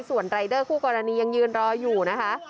ส่วนรายเดอร์คู่กรณียังยืนรออยู่นะคะ